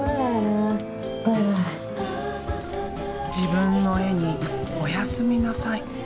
自分の絵に「おやすみなさい」。